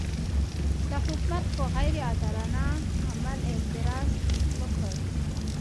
د حکومت پر غیر عادلانه عمل اعتراض وکړو.